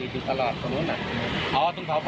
อ๋อมีป้ายอยู่แล้ว